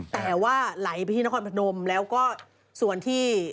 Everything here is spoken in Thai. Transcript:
แต่ว่าไหลไปที่นครพนมแล้วก็ส่วนที่